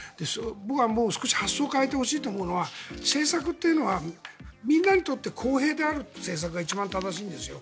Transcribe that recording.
僕はもう少し発想を変えてほしいと思うのは政策というのはみんなにとって公平である政策が一番正しいんですよ。